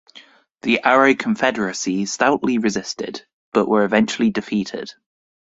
The Aro Confederacy stoutly resisted but were eventually defeated.